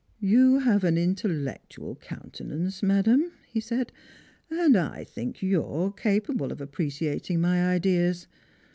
" Ton have an intellectual countenance, madam," he said, " and I think you are capable of appreciating mv ideas.